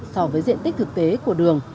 so với diện tích thực tế của đường